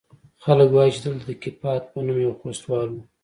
خلق وايي چې دلته د کيپات په نوم يو خوستوال و.